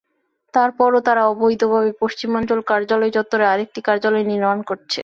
তার পরও তারা অবৈধভাবে পশ্চিমাঞ্চল কার্যালয় চত্বরে আরেকটি কার্যালয় নির্মাণ করছে।